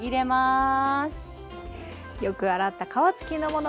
よく洗った皮付きのもの